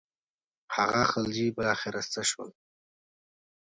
هغه خلجي بالاخره څه شول.